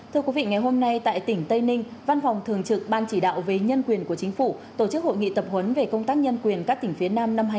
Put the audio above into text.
thưa quý vị ngày hôm nay tại tỉnh tây ninh văn phòng thường trực ban chỉ đạo về nhân quyền của chính phủ tổ chức hội nghị tập huấn về công tác nhân quyền các tỉnh phía nam năm hai nghìn hai mươi